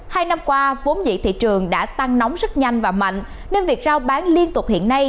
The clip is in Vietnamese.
hai năm qua vốn dĩ thị trường đã tăng nóng rất nhanh và mạnh nên việc giao bán liên tục hiện nay